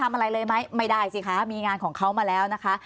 ไม่ได้สิคะมีงานของเขามาแล้วนะคะ